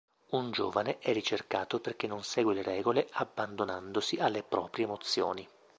Un giovane è ricercato perché non segue le regole abbandonandosi alle proprie emozioni.